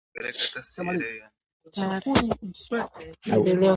kaunti itapata madarasa thelathini na tatu mapya kupitia mpango huo